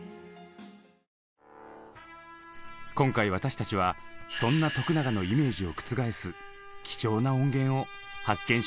今回私たちはそんな永のイメージを覆す貴重な音源を発見しました。